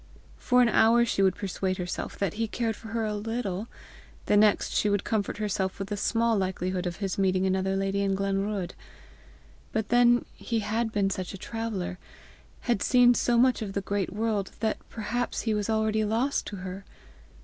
For an hour she would persuade herself that he cared for her a little; the next she would comfort herself with the small likelihood of his meeting another lady in Glenruadh. But then he had been such a traveller, had seen so much of the great world, that perhaps he was already lost to her!